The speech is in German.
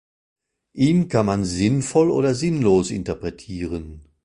Ihn kann man sinnvoll oder sinnlos interpretieren.